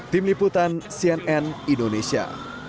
tim liputan cnn indonesia